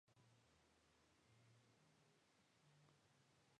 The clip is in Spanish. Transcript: En su curso interior forma el límite entre las provincias de Campobasso y Foggia.